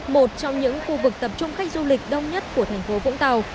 một trong những khu vực tập trung khách du lịch đông nhất của thành phố vũng tàu